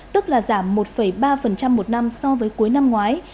tức là giảm một ba một năm so với cuối năm ngoái